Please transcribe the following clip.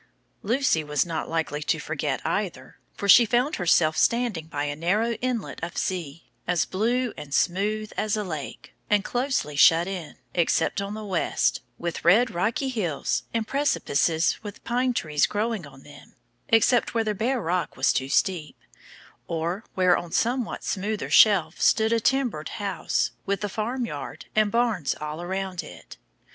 _] Lucy was not likely to forget, either, for she found herself standing by a narrow inlet of sea, as blue and smooth as a lake, and closely shut in, except on the west, with red rocky hills and precipices with pine trees growing on them, except where the bare rock was too steep, or where on a somewhat smoother shelf stood a timbered house, with a farm yard and barns all round it.